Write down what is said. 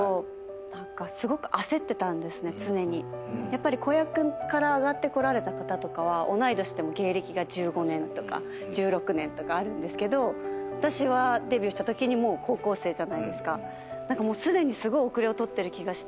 やっぱり子役から上がってこられた方とかは同い年でも芸歴が１５年とか１６年とかあるんですけど私はデビューしたときにもう高校生じゃないですか。